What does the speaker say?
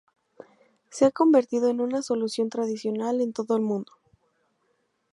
Se ha convertido en una solución tradicional en todo el mundo.